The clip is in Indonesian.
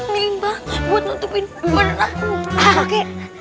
minta buat nutupin badan aku